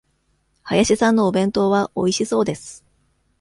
林さんのお弁当はおいしそうです。